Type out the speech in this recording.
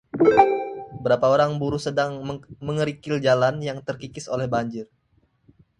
beberapa orang buruh sedang mengerikil jalan yang terkikis oleh banjir